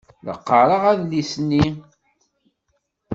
La qqaṛeɣ adlis-nni.